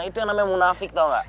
itu yang namanya munafik tuh gak